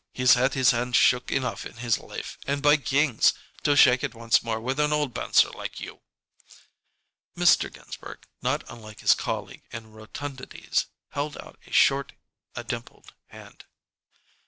He's had his hand shook enough in his life, and by kings, to shake it once more with an old bouncer like you!" Mr. Ginsberg, not unlike his colleague in rotundities, held out a short, a dimpled hand.